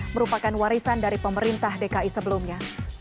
merupakan warisan dari pemerintah dki sebelumnya